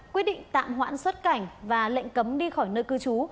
quyết định tạm hoãn xuất cảnh và lệnh cấm đi khỏi nơi cư trú